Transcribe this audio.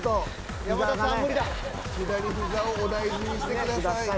左ひざをお大事にしてください。